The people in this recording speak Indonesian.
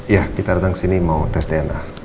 ya kita datang ke sini mau tes dna